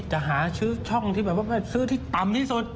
จะหาช่องที่ซื้อที่ต่ำที่สุด